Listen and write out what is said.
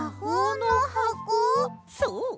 そう！